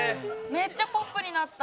めっちゃポップになった。